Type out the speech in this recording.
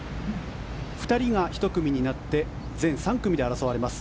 ２人が１組になって全３組で争われます。